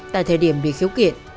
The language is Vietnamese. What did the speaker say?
tại thời điểm bị khiếu kiện